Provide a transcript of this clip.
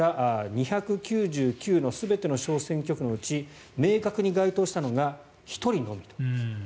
２９９の全ての小選挙区のうち明確に該当したのが１人のみと。